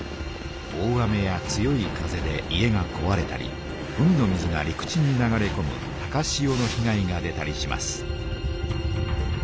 大雨や強い風で家がこわれたり海の水が陸地に流れこむ高潮のひ害が出たりします。